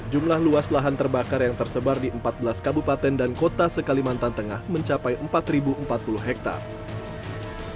jumlah luas lahan terbakar yang tersebar di empat belas kabupaten dan kota sekalimantan tengah mencapai empat empat puluh hektare